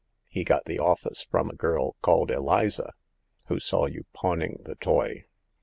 He got the office from a girl called Eliza, who saw you pawning the toy."